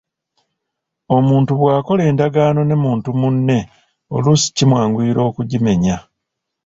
Omuntu bw’akola endagaano ne muntu munne oluusi kimwanguyira okugimenya.